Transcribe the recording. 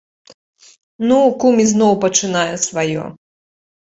Ну, кум ізноў пачынае сваё!